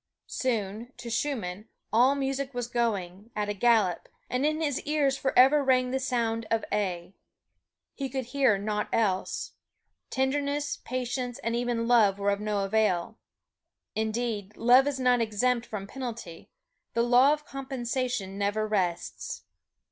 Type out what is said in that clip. Soon, to Schumann, all music was going at a gallop, and in his ears forever rang the sound of A. He could hear naught else. Tenderness, patience, and even love were of no avail. Indeed, love is not exempt from penalty the law of compensation never rests.